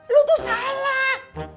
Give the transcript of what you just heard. lo tuh salah